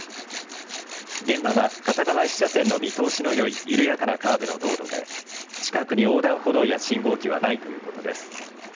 現場は片側１車線の見通しのよい緩やかなカーブの道路で近くに横断歩道や信号機はないということです。